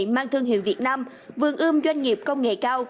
mang thương hiệu việt nam vườn ươm doanh nghiệp công nghệ cao